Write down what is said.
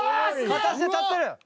片足で立ってる。